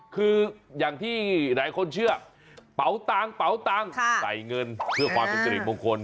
คืออย่างที่หลายคนเชื่อเป๋าตังค์เป๋าตังค์ใส่เงินเพื่อความเป็นสิริมงคล